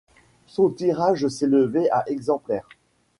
Son tirage s'élevait à exemplaires.